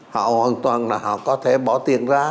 họ hoàn toàn là họ có thể bỏ tiền ra